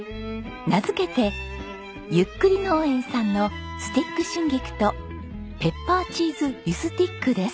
名付けて「ゆっくり農園さんのスティック春菊とペッパーチーズリュスティック」です。